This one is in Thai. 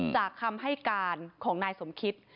คำให้การของนายสมคิต